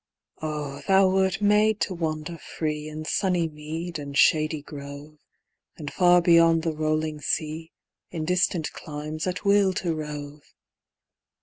Oh, thou wert made to wander free In sunny mead and shady grove, And far beyond the rolling sea, In distant climes, at will to rove!